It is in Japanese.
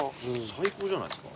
最高じゃないですか？